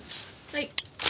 はい。